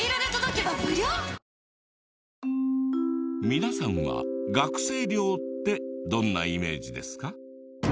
皆さんは学生寮ってどんなイメージですか？